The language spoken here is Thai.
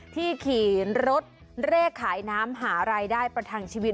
ที่ขี่รถเร่ขายน้ำหารายได้ประทังชีวิต